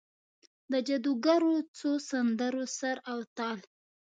د جادوګرو څو سندرو سر او تال،